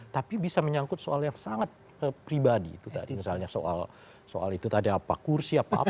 tapi bisa menyangkut soal yang sangat pribadi itu tadi misalnya soal itu tadi apa kursi apa apa